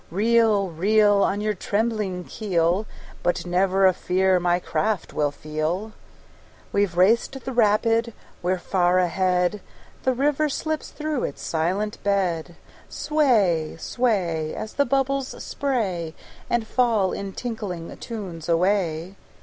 Reel, reel. On your trembling keel, But never a fear my craft will feel. We've raced the rapid, we're far ahead! The river slips through its silent bed. Sway, sway, As the bubbles spray And fall in tinkling tunes away.